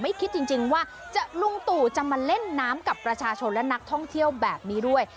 คิดจริงว่าลุงตู่จะมาเล่นน้ำกับประชาชนและนักท่องเที่ยวแบบนี้ด้วย